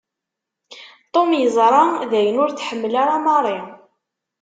Tom yeẓra dayen ur t-tḥemmel ara Marie.